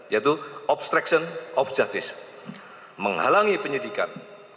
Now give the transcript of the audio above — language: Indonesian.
yaitu obstruction of justice menghalangi penyidikan